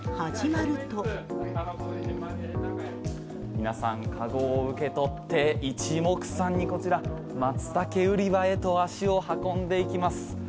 皆さんカゴを受け取って一目散にこちらマツタケ売り場へと足を運んでいきます。